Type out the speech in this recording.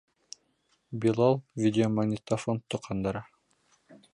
Билал видеомагнитофон тоҡандыра.